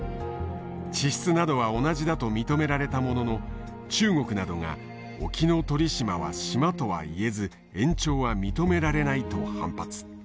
地質などは同じだと認められたものの中国などが沖ノ鳥島は島とは言えず延長は認められないと反発。